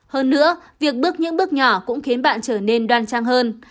hơn nữa việc bước những bước nhỏ cũng khiến bạn trở nên đoan trang hơn